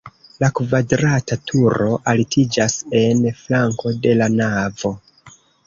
La kvadrata turo altiĝas en flanko de la navo.